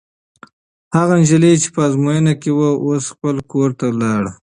هغه نجلۍ چې په ازموینه کې وه، اوس خپل کور ته لاړه.